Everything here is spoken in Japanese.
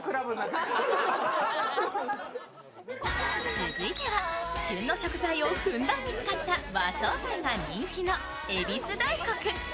続いては旬の食材をふんだんに使った和惣菜が人気のゑびすＤａｉｋｏｋｕ。